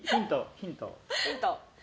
ヒント。